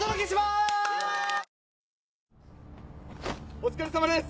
お疲れさまです！